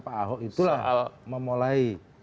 pak ahok itulah memulai